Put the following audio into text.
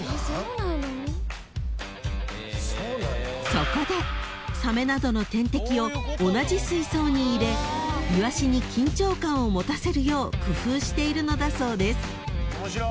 ［そこでサメなどの天敵を同じ水槽に入れイワシに緊張感を持たせるよう工夫しているのだそうです］